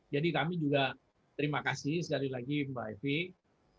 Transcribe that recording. jadi kami juga terima kasih sekali lagi mbak evie